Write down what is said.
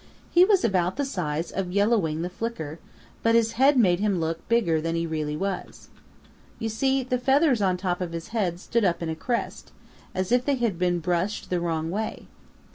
He was about the size of Yellow Wing the Flicker, but his head made him look bigger than he really was. You see, the feathers on top of his head stood up in a crest, as if they had been brushed the wrong way.